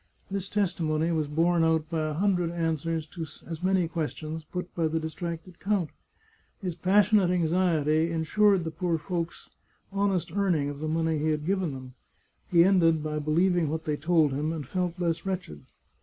This testimony was borne out by a hundred answers to as many questions put by the distracted count. His pas sionate anxiety ensured the poor folks honest earning of .152 The Chartreuse of Parma the money he had given them. He ended by believing what they told him, and felt less wretched.